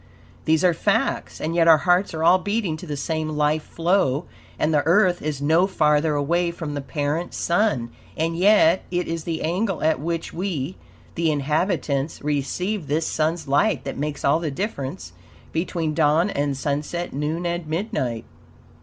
These are facts, and yet our hearts are all beating to the same life flow, and the Earth is no farther away from the parent Sun; and yet it is the angle at which we, THE INHABITANTS, receive this Sun's light that makes all the difference between dawn and sunset, noon and midnight.